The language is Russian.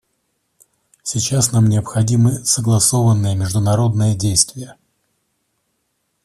Сейчас нам необходимы согласованные международные действия.